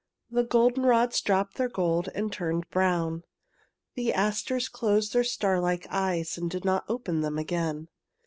The goldenrods dropped their gold and turned brown. The asters closed their starlike eyes and did not open them again.